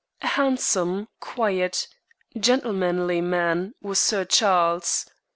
A handsome, quiet, gentlemanly man was Sir Charles.